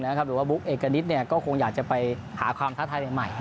หรือว่าบุ๊กเอกณิตก็คงอยากจะไปหาความท้าทายใหม่